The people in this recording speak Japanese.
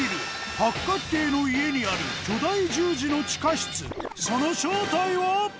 八角形の家にある巨大十字の地下室その正体は！？